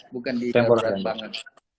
bukan di dalam peran banget